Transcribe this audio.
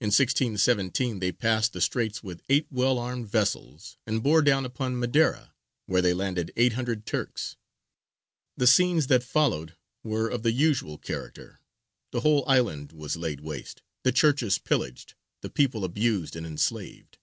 In 1617 they passed the Straits with eight well armed vessels and bore down upon Madeira, where they landed eight hundred Turks. The scenes that followed were of the usual character; the whole island was laid waste, the churches pillaged, the people abused and enslaved.